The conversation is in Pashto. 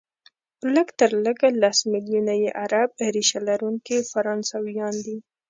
لږ تر لږه لس ملیونه یې عرب ریشه لرونکي فرانسویان دي،